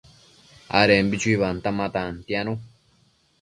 adembi chuibanta ma tantianu